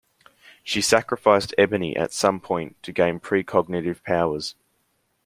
She sacrificed Ebony at some point to gain precognitive powers.